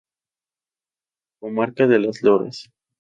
Comarca de Las Loras.